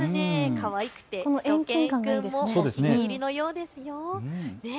かわいくてしゅと犬くんもお気に入りのようですよ。